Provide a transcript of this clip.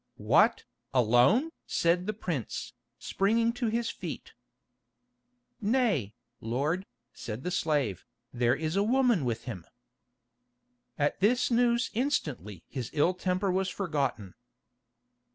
"What, alone?" said the prince, springing to his feet. "Nay, lord," said the slave, "there is a woman with him." At this news instantly his ill temper was forgotten.